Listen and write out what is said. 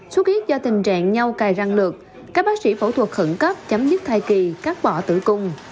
xuất huyết do tình trạng nhau cài răng lược các bác sĩ phẫu thuật khẩn cấp chấm dứt thai kỳ cắt bỏ tử cung